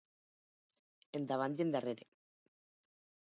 Endavant i endarrere.